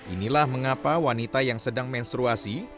inilah mengapa wanita yang sedang menstruasi